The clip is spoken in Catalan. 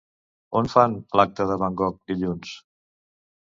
On fan l'"acte de van Gogh" dilluns?